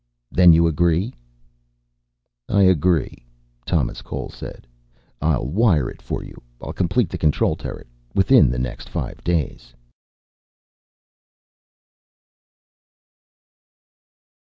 "Then you agree?" "I agree," Thomas Cole said. "I'll wire it for you. I'll complete the control turret within the next five days."